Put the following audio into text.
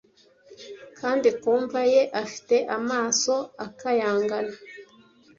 Kandi ku mva ye, afite amaso akayangana,